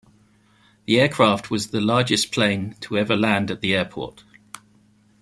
The aircraft was the largest plane to ever land at the airport.